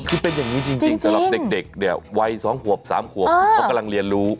คือเป็นอย่างนี้จริงสำหรับเด็กเนี่ยวัย๒ขวบ๓ขวบเขากำลังเรียนรู้